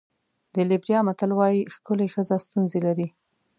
د لېبریا متل وایي ښکلې ښځه ستونزې لري.